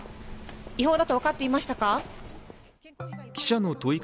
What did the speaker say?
違法だと分かっていましたか？